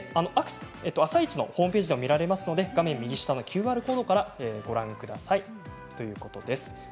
「あさイチ」のホームページでも見られますので画面右下ＱＲコードからご覧ください。